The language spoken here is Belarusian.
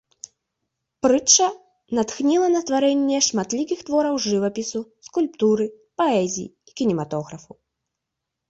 Прытча натхніла на тварэнне шматлікіх твораў жывапісу, скульптуры, паэзіі і кінематографу.